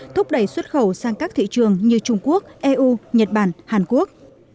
thúc đẩy xuất khẩu sang các thị trường như trung quốc eu nhật bản hàn quốc